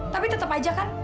tapi tetap aja kan